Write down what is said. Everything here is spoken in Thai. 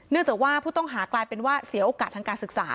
จากว่าผู้ต้องหากลายเป็นว่าเสียโอกาสทางการศึกษา